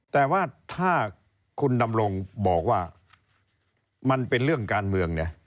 แต่ว่าถ้าคุณดำรงบอกว่ามันเป็นเรื่องการเมืองเนี่ย